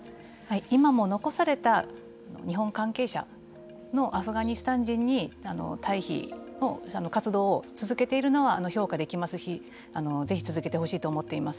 今も残された日本関係者のアフガニスタン人に退避の活動を続けているのは評価できますしぜひ続けてほしいと思っています。